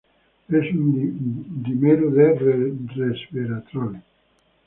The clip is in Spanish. Es un dímero de resveratrol.